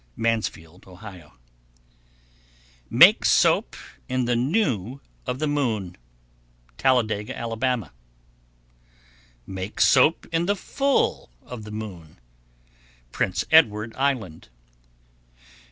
Mansfield, O. 1136. Make soap in the new of the moon. Talladega, Ala. 1137. Make soap in the full of the moon. _Prince Edward Island.